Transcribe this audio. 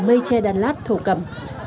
mây tre đan lát thổ cầm